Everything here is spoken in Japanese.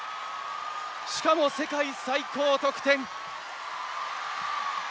しかも世界最高得点！